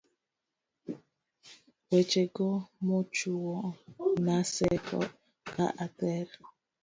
weche go mochuowo Naseko ka ather